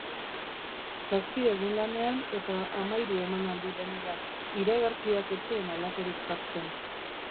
Zazpi egun lanean eta hamahiru emanaldi denera, iragarkiak ez zuen halakorik jartzen.